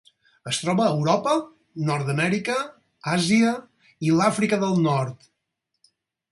Es troba a Europa, Nord-amèrica, Àsia i l'Àfrica del Nord.